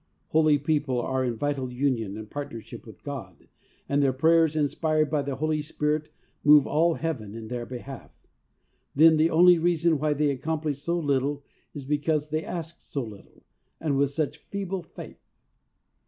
Holy people are in vital union and partnership with God, and their prayers inspired by the Holy Spirit move all Heaven in their behalf Then the only reason why they accomplish so little is because they ask so little, and with such feeble faith.